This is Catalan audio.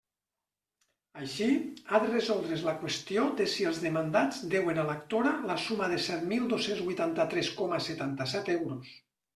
Així, ha de resoldre's la qüestió de si els demandats deuen a l'actora la suma de set mil dos-cents huitanta-tres coma setanta-set euros.